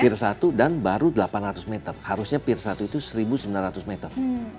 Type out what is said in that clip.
peer satu dan baru delapan ratus meter harusnya pier satu itu seribu sembilan ratus meter